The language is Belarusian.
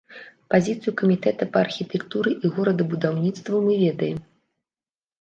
Пазіцыю камітэта па архітэктуры і горадабудаўніцтву мы ведаем.